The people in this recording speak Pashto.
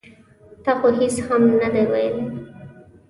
ـ تا خو هېڅ هم نه دي ویلي.